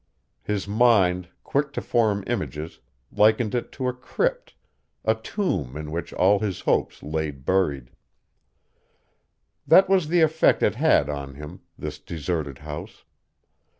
His mind, quick to form images, likened it to a crypt, a tomb in which all his hopes laid buried. That was the effect it had on him, this deserted house.